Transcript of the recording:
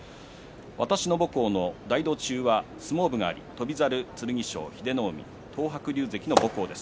私の母校の大道中は相撲部があり翔猿、剣翔、英乃海東白龍関の母校です。